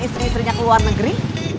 istri istrinya ke luar negeri